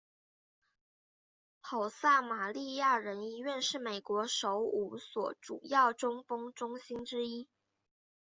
好撒玛利亚人医院是美国首五所主要中风中心之一。